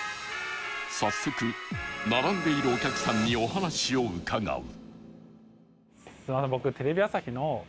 早速並んでいるお客さんにお話を伺う